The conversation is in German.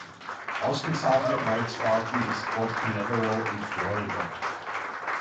Ausgangshafen der Kreuzfahrten ist Port Canaveral in Florida.